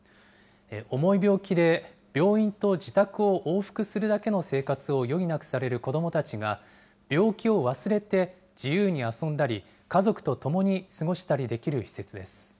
重い病気で、病院と自宅を往復するだけの生活を余儀なくされる子どもたちが、病気を忘れて、自由に遊んだり、家族と共に過ごしたりできる施設です。